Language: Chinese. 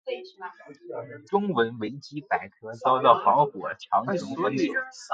中文维基百科遭到防火长城封锁。